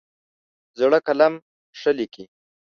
زړه قلم ښه لیکي.